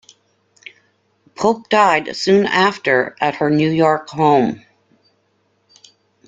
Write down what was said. Pope died soon after at her New York home.